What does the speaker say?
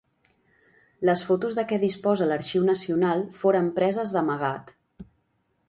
Les fotos de què disposa l'Arxiu Nacional foren preses d'amagat.